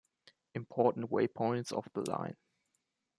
Important waypoints of the line.